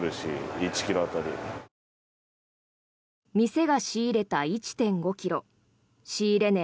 店が仕入れた１．５ｋｇ仕入れ値